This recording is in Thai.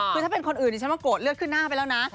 คือถ้าเป็นคนอื่นดิฉันว่าโกรธเลือดขึ้นหน้าไปแล้วนะ